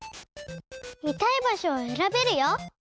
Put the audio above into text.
見たいばしょをえらべるよ！